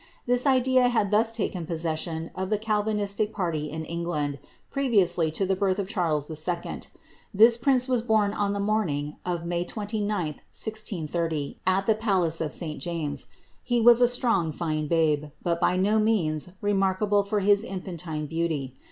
This idsi had thus taken possession of the Calvinistic party in England, previonly to the birth of Charles II.* This prince was bom on the morning of May 29, 1630, at the palace of St. James. He was a strong, fine babe, but by no means remarkable for his infantine beauty.